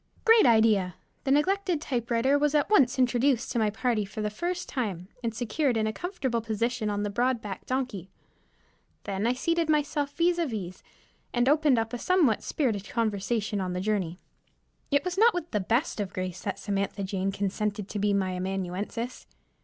Great idea! The neglected typewriter was at once introduced to my party for the first time, and secured in a comfortable position on the broad backed donkey. Then I seated myself vis à vis, and opened up a somewhat spirited conversation on the journey. It was not with the best of grace that Samantha Jane consented to be my amanuensis.